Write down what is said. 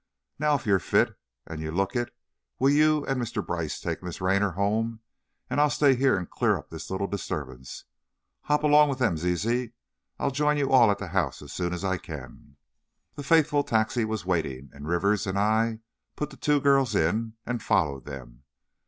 Now, if you're fit, and you look it, will you and Mr. Brice take Miss Raynor home, and I'll stay here and clear up this little disturbance. Hop along with them, Ziz; I'll join you all at the house as soon as I can." The faithful taxi was waiting, and Rivers and I put the two girls in, and followed them.